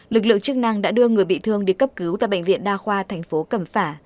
lực lượng chức năng đã đưa người bị thương đi cấp cứu tại bệnh viện đa khoa thành phố cẩm phả